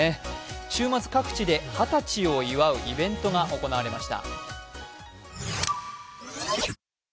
週末、各地で二十歳を祝うイベントが行われました。